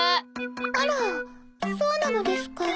あらそうなのですか。